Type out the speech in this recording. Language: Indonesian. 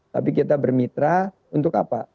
tapi kita bermitra untuk apa